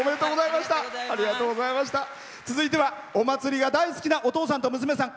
続いてはお祭りが大好きなお父さんと娘さん。